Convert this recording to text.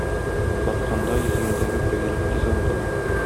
Батканда йөзгәндәге бергәлек тиз онытыла.